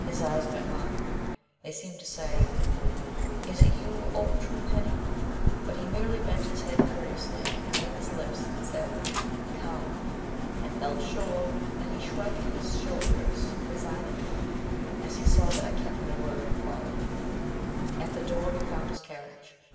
His eyes met mine. They seemed to say, "Is it you, old True penny?" But he merely bent his head courteously and with his lips said, "Come!" I felt sure that he shrugged his shoulders resignedly, as he saw that I kept my word, and followed. At the door he found his carriage.